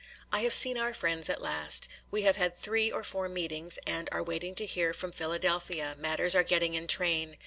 'I have seen our friends at last. We have had three or four meetings, and are waiting to hear from Philadelphia,—matters are getting in train.